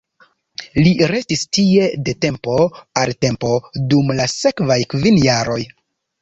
Li restis tie de tempo al tempo dum la sekvaj kvin jaroj.